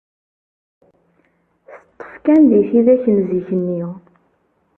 Teṭṭef kan di tidak n zik-nni.